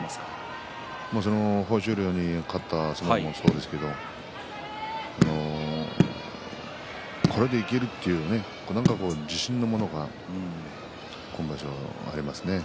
宮城野さん、豊昇龍に勝った相撲もそうですがこれでいけるという自信のようなものありますね。